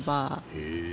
へえ。